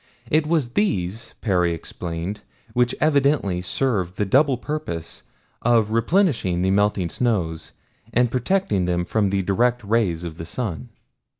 It was these, Perry explained, which evidently served the double purpose of replenishing the melting snows and protecting them from the direct rays of the sun.